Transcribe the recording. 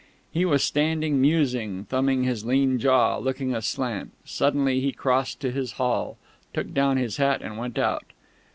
He was standing musing, thumbing his lean jaw, looking aslant; suddenly he crossed to his hall, took down his hat, and went out.